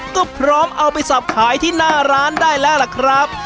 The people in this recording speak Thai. ก็พร้อมเอาไปสับขายที่หน้าร้านได้แล้วล่ะครับ